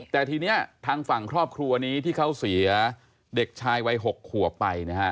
แต่ทีนี้ทางฝั่งครอบครัวนี้ที่เขาเสียเด็กชายวัย๖ขวบไปนะฮะ